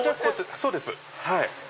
そうです。